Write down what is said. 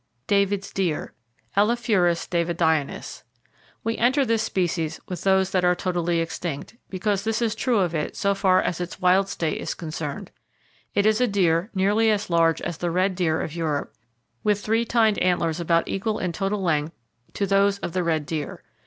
David's Deer (Elaphurus davidianus). —We enter this species with those that are totally extinct, because this is true of it so far as its wild state is concerned. It is a deer nearly as large as the red deer of Europe, with 3 tined antlers about equal in total length to those of the red deer.